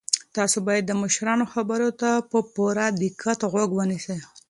تاسو باید د مشرانو خبرو ته په پوره دقت غوږ ونیسئ.